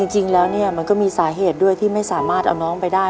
จริงแล้วเนี่ยมันก็มีสาเหตุด้วยที่ไม่สามารถเอาน้องไปได้